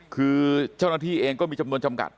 คือเจ้าหน้าที่เองก็มีจำนวนจำกัด